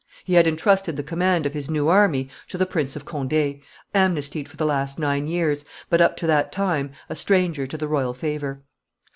He had intrusted the command of his new army to the Prince of Conde, amnestied for the last nine years, but, up to that time, a stranger to the royal favor.